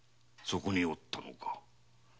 そこにおったのか。